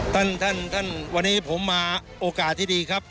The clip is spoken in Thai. ท่านท่านวันนี้ผมมาโอกาสที่ดีครับ